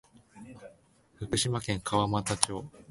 福島県川俣町